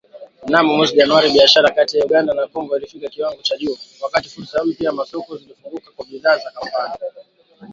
Mnamo mwezi Januari, biashara kati ya Uganda na Kongo ilifikia kiwango cha juu, wakati fursa mpya za masoko zilifunguka kwa bidhaa za Kampala